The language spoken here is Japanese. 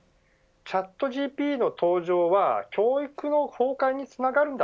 ＣｈａｔＧＰＴの登場は教育の崩壊につながるんだ